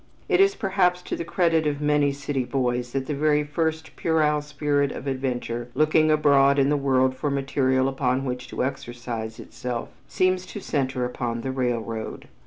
It is perhaps to the credit of many city boys that the very first puerile spirit of adventure looking abroad in the world for material upon which to exercise itself, seems to center about the railroad.